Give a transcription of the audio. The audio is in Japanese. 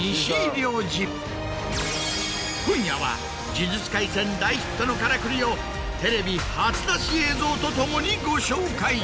今夜は『呪術廻戦』大ヒットのカラクリをテレビ初出し映像とともにご紹介。